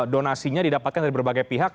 donasinya didapatkan dari berbagai pihak